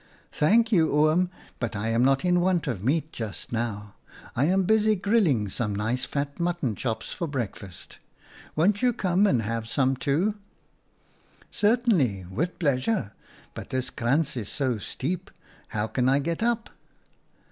"' Thank you, Oom, but I am not in want of meat just now. I'm busy grilling some JAKHALS FED OOM LEEUW 21 nice fat mutton chops for breakfast. Won't you come and have some, too ?'"' Certainly, with pleasure, but this krantz is so steep — how can I get up